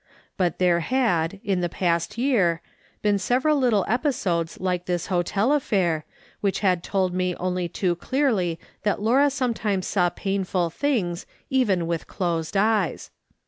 But there had, in the past year, been several little episodes like this hotel affair, which had told me only too clearly that Laura sometimes saw painful things, even with closed eyes.